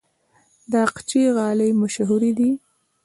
د اقچې غالۍ مشهورې دي